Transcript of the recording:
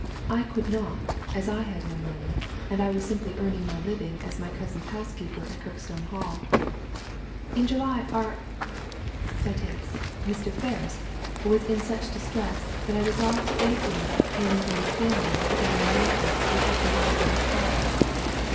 I could not, as I had no money, and I was simply earning my living as my cousin's housekeeper at Kirkstone Hall. In July Ar , that is, Mr. Ferris, was in such distress that I resolved to aid him by obtaining from Miss Gilmar the diamond necklace which had belonged to his father."